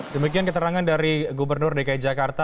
demikian keterangan dari gubernur dki jakarta